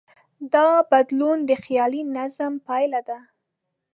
دا بدلون د خیالي نظم پایله ده.